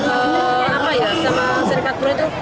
apa ya sama serikat buruh itu